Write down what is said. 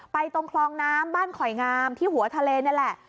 ตรงคลองน้ำบ้านขอยงามที่หัวทะเลนี่แหละ